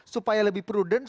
supaya lebih prudent